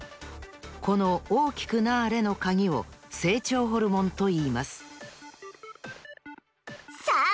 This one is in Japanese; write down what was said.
この大きくなれのカギを「成長ホルモン」といいますさあ